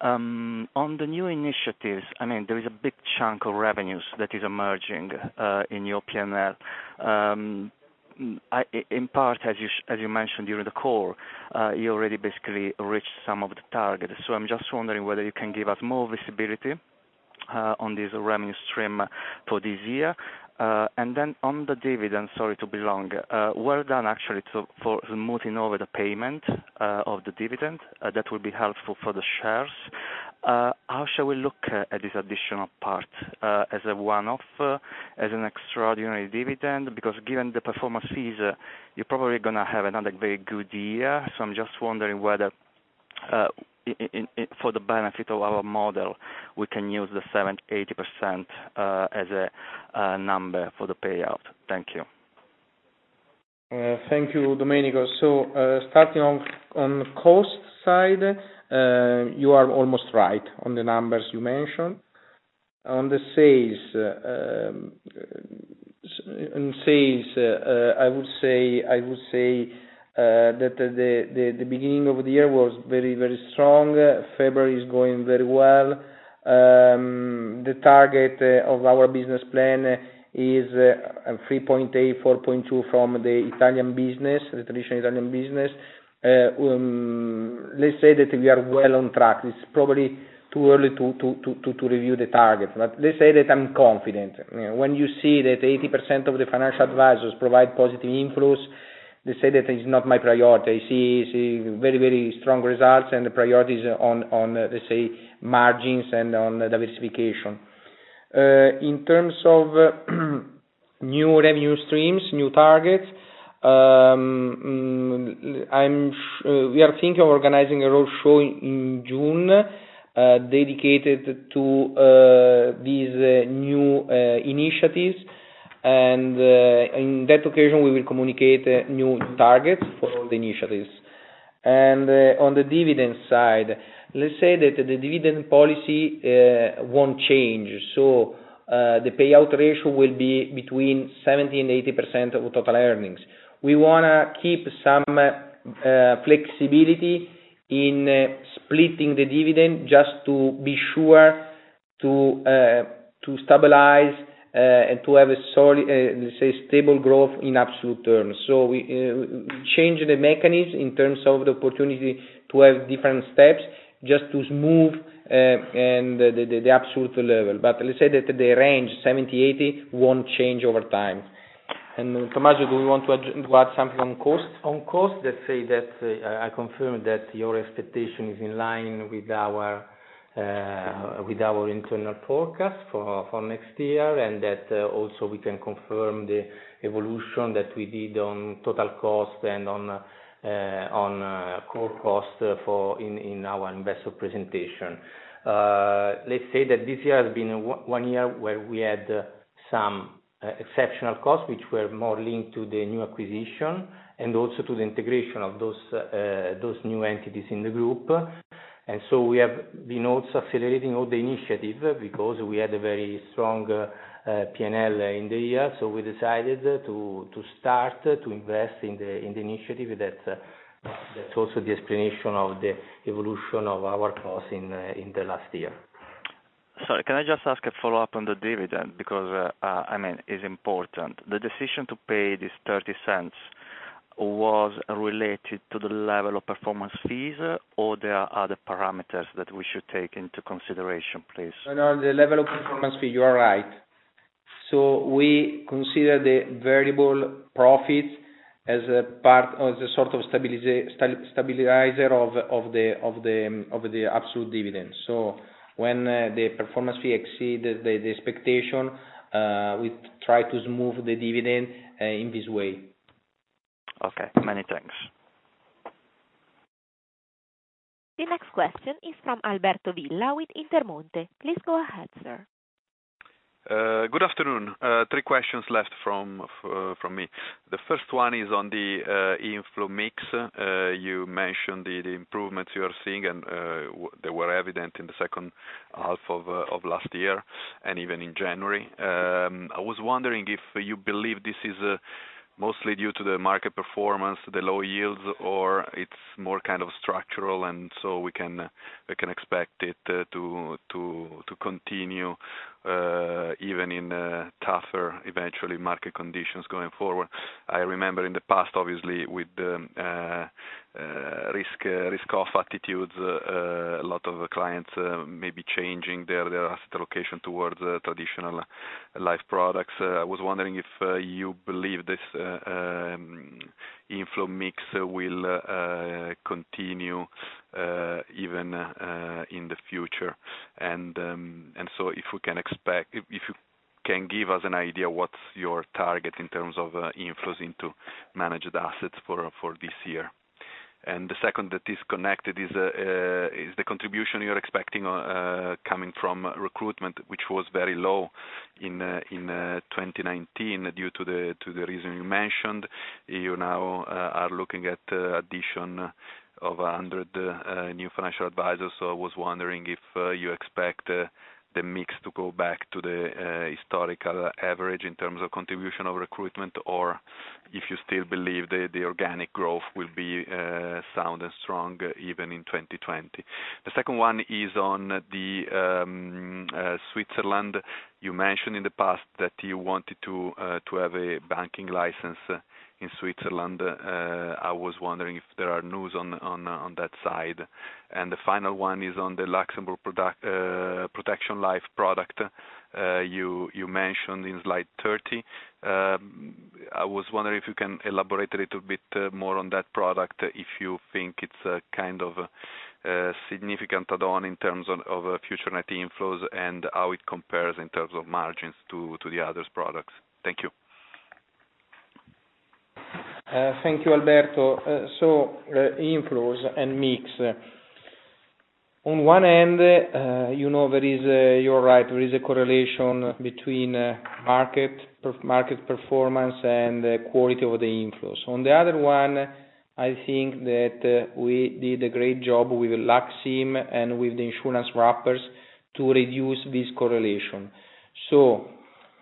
On the new initiatives, there is a big chunk of revenues that is emerging in your P&L. In part, as you mentioned during the call, you already basically reached some of the targets. I'm just wondering whether you can give us more visibility on this revenue stream for this year. On the dividend, sorry to be long. Well done, actually, for smoothing over the payment of the dividend. That will be helpful for the shares. How shall we look at this additional part? As a one-off? As an extraordinary dividend? Given the performance fees, you're probably going to have another very good year. I'm just wondering whether for the benefit of our model, we can use the 70%-80% as a number for the payout. Thank you. Thank you, Domenico. Starting on cost side, you are almost right on the numbers you mentioned. On the sales, I would say that the beginning of the year was very strong. February is going very well. The target of our business plan is 3.8 billion-4.2 billion from the Italian business, the traditional Italian business. Let's say that we are well on track. It's probably too early to review the target, but let's say that I'm confident. When you see that 80% of the financial advisors provide positive inflows, let's say that is not my priority. See very strong results and the priority is on, let's say, margins and on diversification. In terms of new revenue streams, new targets, we are thinking of organizing a roadshow in June, dedicated to these new initiatives. In that occasion, we will communicate new targets for all the initiatives. On the dividend side, let's say that the dividend policy won't change. The payout ratio will be between 70% and 80% of total earnings. We want to keep some flexibility in splitting the dividend just to be sure to stabilize, and to have a solid, let's say, stable growth in absolute terms. We change the mechanism in terms of the opportunity to have different steps just to smooth the absolute level. Let's say that the range 70%-80% won't change over time. Tommaso, do you want to add something on cost? On cost, let's say that I confirm that your expectation is in line with our internal forecast for next year. That also we can confirm the evolution that we did on total cost and on core cost in our investor presentation. Let's say that this year has been one year where we had some exceptional costs, which were more linked to the new acquisition and also to the integration of those new entities in the group. We have been also accelerating all the initiatives because we had a very strong P&L in the year. We decided to start to invest in the initiative. That's also the explanation of the evolution of our costs in the last year. Sorry, can I just ask a follow-up on the dividend? It's important. The decision to pay this 0.30 was related to the level of performance fees or there are other parameters that we should take into consideration, please? The level of performance fee, you are right. We consider the variable profit as a sort of stabilizer of the absolute dividend. When the performance fee exceeds the expectation, we try to move the dividend in this way. Okay. Many thanks. The next question is from Alberto Villa with Intermonte. Please go ahead, sir. Good afternoon. Three questions left from me. The first one is on the inflow mix. You mentioned the improvements you are seeing. They were evident in the second half of last year and even in January. I was wondering if you believe this is mostly due to the market performance, the low yields, or it's more structural. We can expect it to continue, even in tougher, eventually, market conditions going forward. I remember in the past, obviously, with the risk-off attitudes, a lot of clients may be changing their asset allocation towards traditional life products. I was wondering if you believe this inflow mix will continue even in the future. If you can give us an idea what's your target in terms of inflows into managed assets for this year. The second that is connected is the contribution you're expecting coming from recruitment, which was very low in 2019 due to the reason you mentioned. You now are looking at addition of 100 new financial advisors. I was wondering if you expect the mix to go back to the historical average in terms of contribution of recruitment, or if you still believe the organic growth will be sound and strong even in 2020. The second one is on Switzerland. You mentioned in the past that you wanted to have a banking license in Switzerland. I was wondering if there are news on that side. The final one is on the LUX Protection Life product you mentioned in slide 30. I was wondering if you can elaborate a little bit more on that product, if you think it's a significant add-on in terms of future net inflows and how it compares in terms of margins to the other products. Thank you. Thank you, Alberto. Inflows and mix. On one end, you're right, there is a correlation between market performance and the quality of the inflows. On the other one, I think that we did a great job with LUX IM and with the insurance wrappers to reduce this correlation.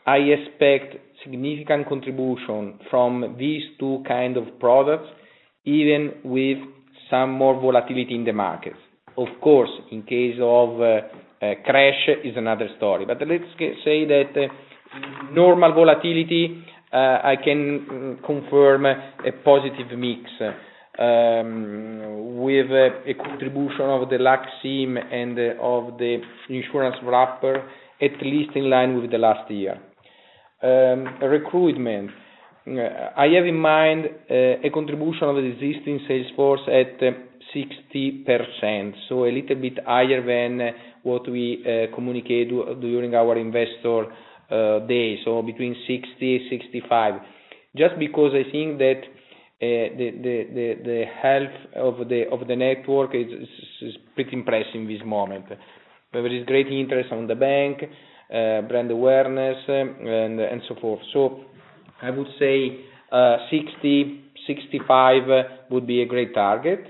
I expect significant contribution from these two kind of products, even with some more volatility in the markets. Of course, in case of a crash, it's another story. Let's say that normal volatility, I can confirm a positive mix, with a contribution of the LUX IM and of the insurance wrapper, at least in line with the last year. Recruitment. I have in mind a contribution of existing sales force at 60%, a little bit higher than what we communicated during our Investor Day. Between 60% and 65%. Because I think that the health of the network is pretty impressive this moment. There is great interest on the bank, brand awareness, and so forth. I would say 60%, 65% would be a great target,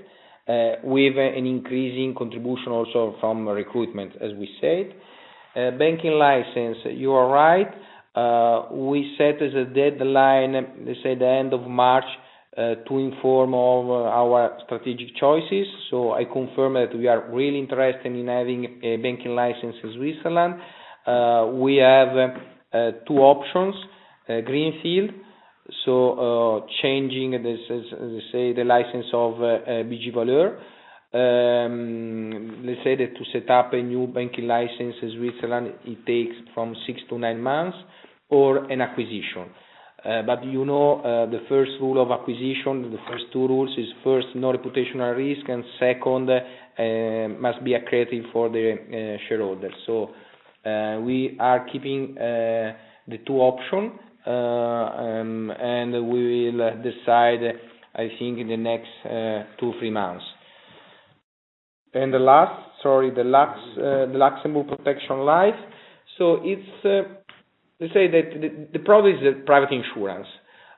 with an increasing contribution also from recruitment, as we said. Banking license, you are right. We set as a deadline, let's say the end of March, to inform of our strategic choices. I confirm that we are really interested in having a banking license in Switzerland. We have two options, greenfield, so changing, let's say, the license of BG Valeur. Let's say that to set up a new banking license in Switzerland, it takes from six to nine months or an acquisition. You know the first rule of acquisition, the first two rules is first, no reputational risk, and second, must be accretive for the shareholder. We are keeping the two options, and we will decide, I think, in the next two, three months. The last, sorry, the LUX Protection Life. Let's say that the product is a private insurance.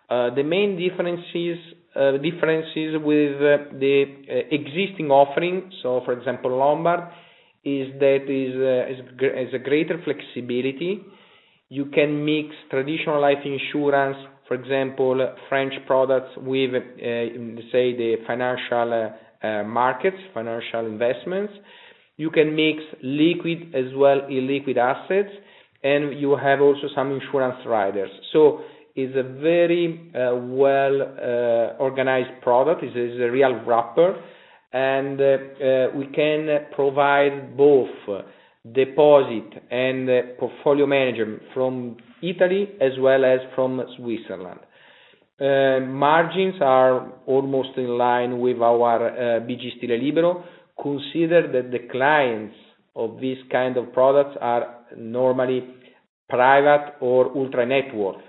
The main differences with the existing offering, for example, Lombard, is that it has a greater flexibility. You can mix traditional life insurance, for example, French products, with, let's say, the financial markets, financial investments. You can mix liquid as well illiquid assets, and you have also some insurance riders. It's a very well-organized product. It is a real wrapper. We can provide both deposit and portfolio management from Italy as well as from Switzerland. Margins are almost in line with our BG Stile Libero. Consider that the clients of these kind of products are normally private or ultra-net worth.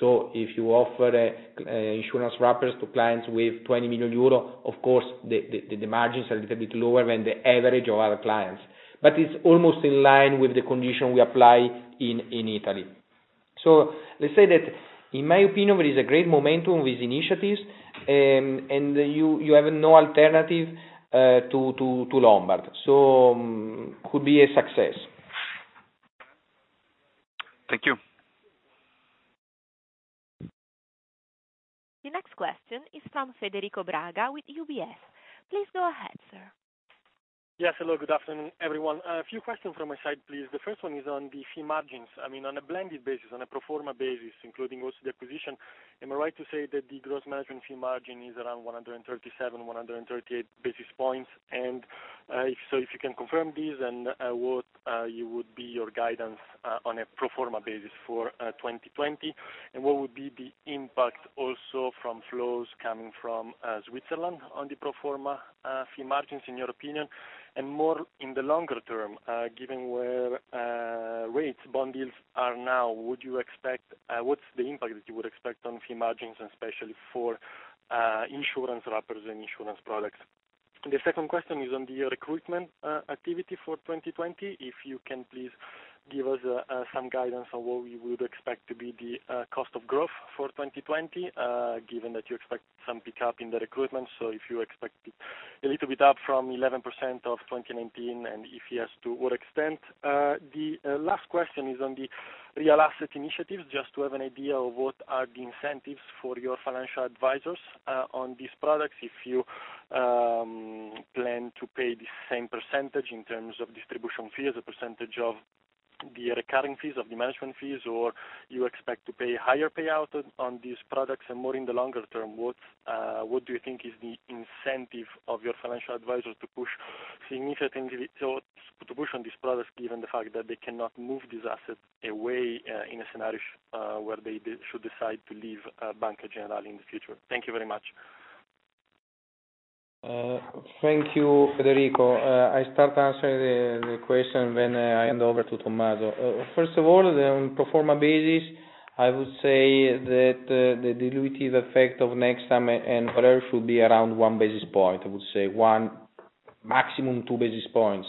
If you offer insurance wrappers to clients with 20 million euro, of course, the margins are a little bit lower than the average of our clients. It's almost in line with the condition we apply in Italy. Let's say that in my opinion, there is a great momentum with initiatives, and you have no alternative to Lombard. Could be a success. Thank you. The next question is from Federico Braga with UBS. Please go ahead, sir. Yes. Hello, good afternoon, everyone. A few questions from my side, please. The first one is on the fee margins. On a blended basis, on a pro forma basis, including also the acquisition, am I right to say that the gross management fee margin is around 137 basis points-138 basis points? If you can confirm this, and what you would be your guidance on a pro forma basis for 2020? What would be the impact also from flows coming from Switzerland on the pro forma fee margins, in your opinion? More in the longer term, given where rates, bond deals are now, what's the impact that you would expect on fee margins, and especially for insurance wrappers and insurance products? The second question is on the recruitment activity for 2020. If you can please give us some guidance on what we would expect to be the cost of growth for 2020, given that you expect some pickup in the recruitment. If you expect it a little bit up from 11% of 2019, and if yes, to what extent? The last question is on the real asset initiatives, just to have an idea of what are the incentives for your financial advisors on these products, if you plan to pay the same percentage in terms of distribution fees, a percentage of the recurring fees, of the management fees, or you expect to pay higher payout on these products. More in the longer term, what do you think is the incentive of your financial advisors to push on these products, given the fact that they cannot move these assets away in a scenario where they should decide to leave Banca Generali in the future? Thank you very much. Thank you, Federico. I start answering the question, then I hand over to Tommaso. First of all, on pro forma basis, I would say that the dilutive effect of Nextam and Valeur should be around 1 basis point. I would say 1 basis point, maximum 2 basis points.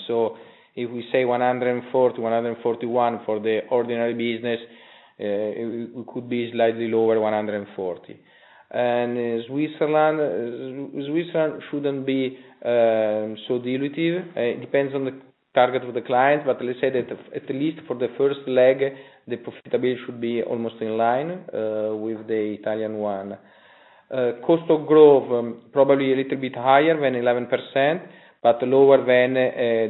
If we say 140 basis points-141 basis points for the ordinary business, it could be slightly lower, 140 basis points. Switzerland shouldn't be so dilutive. It depends on the target of the client. Let's say that at least for the first leg, the profitability should be almost in line with the Italian one. Cost of growth, probably a little bit higher than 11%, but lower than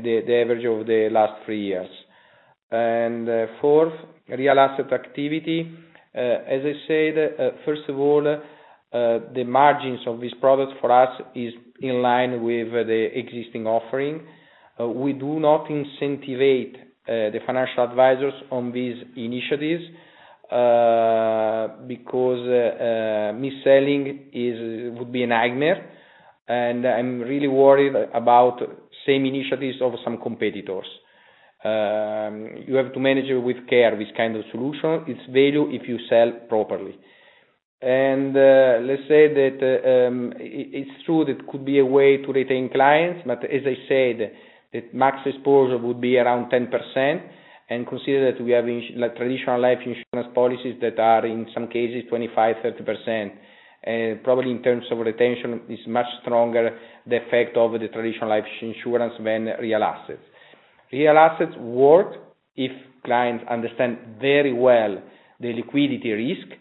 the average of the last three years. Fourth, real asset activity. As I said, first of all, the margins of this product for us is in line with the existing offering. We do not incentivize the financial advisors on these initiatives, because mis-selling would be a nightmare. I'm really worried about same initiatives of some competitors. You have to manage it with care, this kind of solution. It's value if you sell properly. Let's say that it's true that could be a way to retain clients, but as I said, the max exposure would be around 10%. Consider that we have traditional life insurance policies that are, in some cases, 25%, 30%. Probably in terms of retention, it's much stronger the effect of the traditional life insurance than real assets. Real assets work if clients understand very well the liquidity risk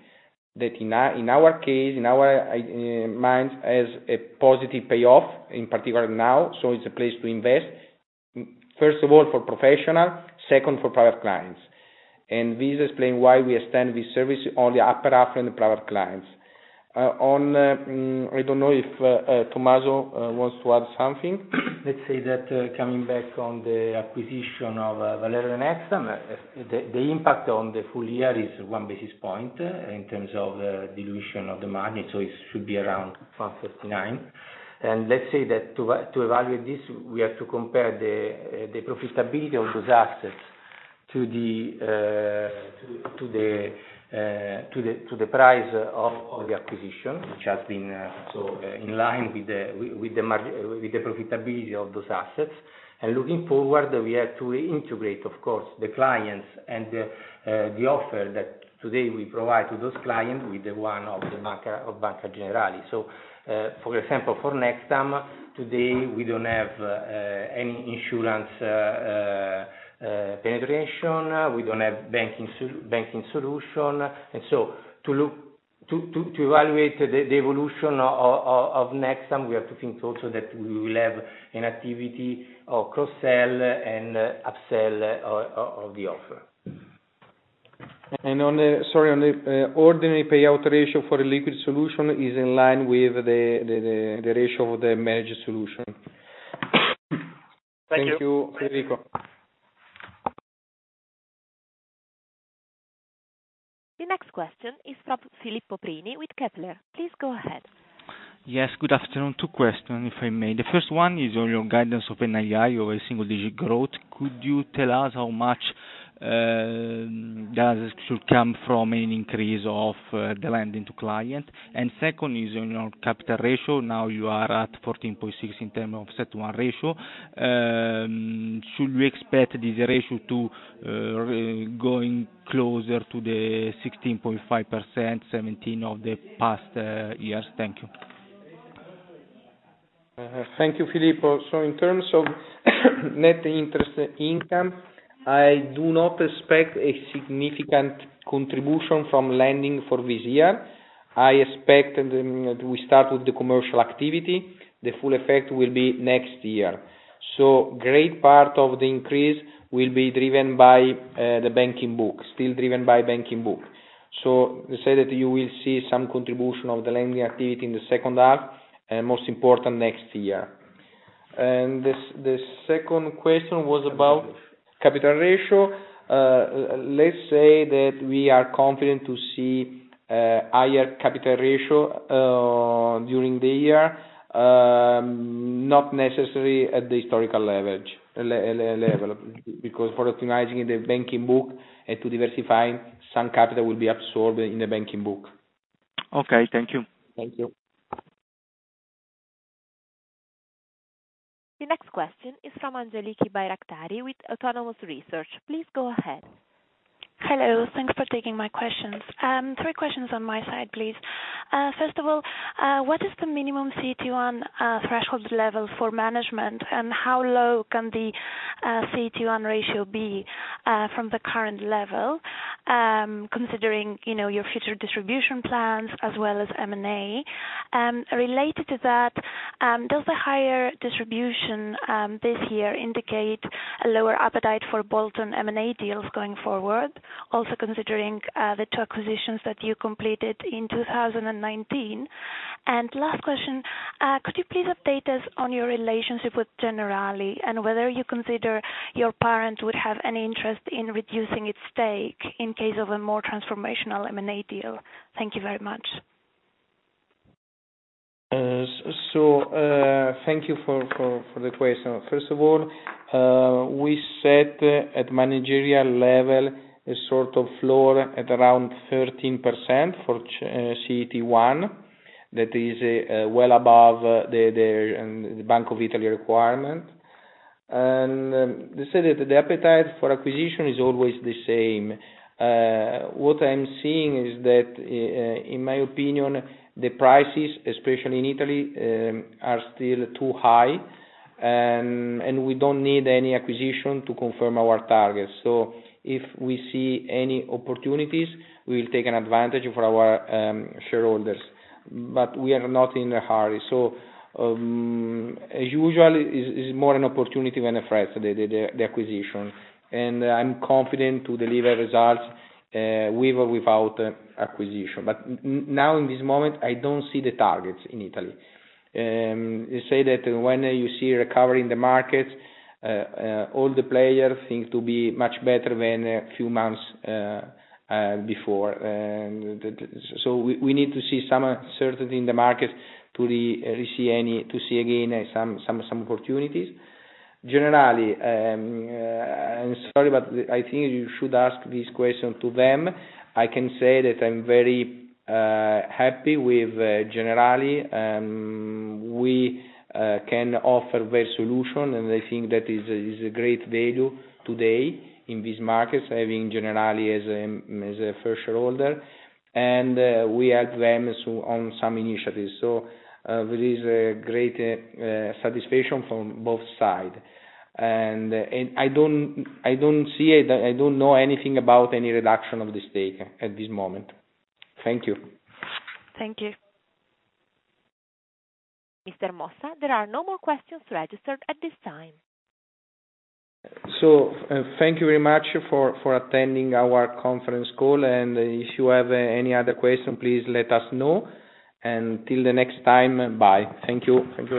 that, in our case, in our minds, has a positive payoff, in particular now. It's a place to invest, first of all for professional, second for private clients. This explain why we extend this service on the upper half and private clients. I don't know if Tommaso wants to add something. Let's say that, coming back on the acquisition of Valeur and Nextam, the impact on the full year is 1 basis point in terms of dilution of the margin, so it should be around [159 basis points]. Let's say that to evaluate this, we have to compare the profitability of those assets to the price of the acquisition, which has been in line with the profitability of those assets. Looking forward, we have to integrate, of course, the clients and the offer that today we provide to those clients with the one of Banca Generali. For example, for Nextam, today we don't have any insurance penetration. We don't have banking solution. To evaluate the evolution of Nextam, we have to think also that we will have an activity of cross-sell and up-sell of the offer. On the ordinary payout ratio for the liquid solution is in line with the ratio of the managed solution. Thank you. Thank you, Federico. The next question is from Filippo Prini with Kepler. Please go ahead. Yes, good afternoon. Two questions, if I may. The first one is on your guidance of NII, your single-digit growth. Could you tell us how much that should come from an increase of the lending to clients? Second is on your capital ratio. Now you are at 14.6% in terms of CET1 ratio. Should we expect this ratio to go closer to the 16.5%, 17% of the past years? Thank you. Thank you, Filippo. In terms of net interest income, I do not expect a significant contribution from lending for this year. I expect, we start with the commercial activity. The full effect will be next year. Great part of the increase will be driven by the banking book, still driven by banking book. Let's say that you will see some contribution of the lending activity in the second half, and most important, next year. The second question was about capital ratio. Let's say that we are confident to see a higher capital ratio during the year, not necessarily at the historical level. For optimizing the banking book and to diversifying, some capital will be absorbed in the banking book. Okay. Thank you. Thank you. The next question is from Angeliki Bairaktari with Autonomous Research. Please go ahead. Hello. Thanks for taking my questions. Three questions on my side, please. First of all, what is the minimum CET1 threshold level for management, and how low can the CET1 ratio be from the current level, considering your future distribution plans as well as M&A? Related to that, does the higher distribution this year indicate a lower appetite for bolt-on M&A deals going forward, also considering the two acquisitions that you completed in 2019? Last question, could you please update us on your relationship with Generali and whether you consider your parent would have any interest in reducing its stake in case of a more transformational M&A deal? Thank you very much. Thank you for the question. First of all, we set at managerial level a sort of floor at around 13% for CET1. That is well above the Bank of Italy requirement. Let's say that the appetite for acquisition is always the same. What I'm seeing is that, in my opinion, the prices, especially in Italy, are still too high, and we don't need any acquisition to confirm our targets. If we see any opportunities, we'll take an advantage for our shareholders. We are not in a hurry. Usually, it's more an opportunity than a threat, the acquisition. I'm confident to deliver results, with or without acquisition. Now in this moment, I don't see the targets in Italy. Let's say that when you see a recovery in the market, all the players seem to be much better than a few months before. We need to see some certainty in the market to see again some opportunities. Generali, I'm sorry, but I think you should ask this question to them. I can say that I'm very happy with Generali. We can offer best solution, and I think that is a great value today in this market, having Generali as a first shareholder. We help them on some initiatives. There is a great satisfaction from both sides. I don't know anything about any reduction of the stake at this moment. Thank you. Thank you. Mr. Mossa, there are no more questions registered at this time. Thank you very much for attending our conference call. If you have any other questions, please let us know. Till the next time, bye. Thank you.